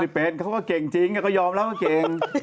ไม่เป็นเขาก็เก่งจริงเขายอมแล้วก็เก่ง